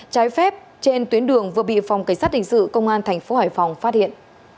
trái phép trên tuyến đường vừa bị phòng cảnh sát hình sự công an tp hải phòng phát hiện